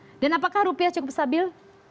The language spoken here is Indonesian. kita tahu bahwa rupiah cukup stabil